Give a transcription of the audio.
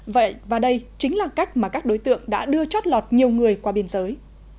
vậy và đây chính là cách mà các đối tượng đã đưa chót lọt nhiều người qua biên giới